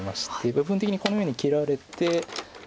部分的にこのように切られて。